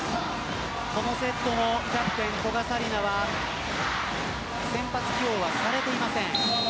このセットもキャプテンの古賀紗理那は先発起用はされていません。